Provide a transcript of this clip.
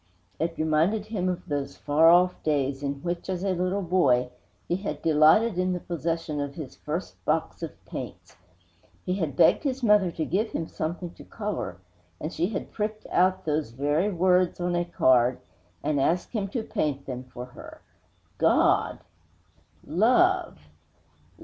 It reminded him of those far off days in which, as a little boy, he had delighted in the possession of his first box of paints. He had begged his mother to give him something to color, and she had pricked out those very words on a card and asked him to paint them for her. _God! Love!